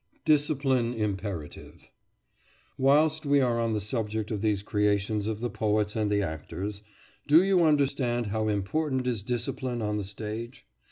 DISCIPLINE IMPERATIVE Whilst we are on the subject of these creations of the poets and the actors, do you understand how important is discipline on the stage?